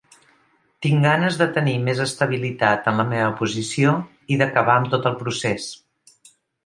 Tinc ganes de tenir més estabilitat en la meva posició i d'acabar amb tot el procés.